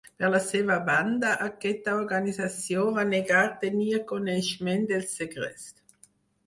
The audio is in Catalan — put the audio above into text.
Per la seva banda, aquesta organització va negar tenir coneixement del segrest.